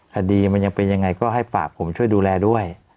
คดีมันยังเป็นยังไงก็ให้ฝากผมช่วยดูแลด้วย